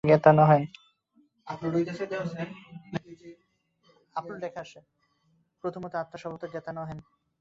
প্রথমত আত্মা স্বভাবত জ্ঞাতা নহেন।